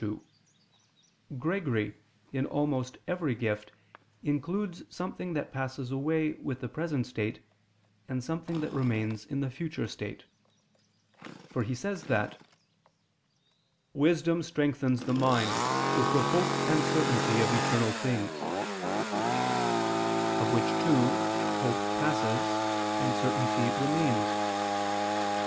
2: Gregory, in almost every gift, includes something that passes away with the present state, and something that remains in the future state. For he says that "wisdom strengthens the mind with the hope and certainty of eternal things"; of which two, hope passes, and certainty remains.